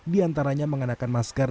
diantaranya mengenakan masker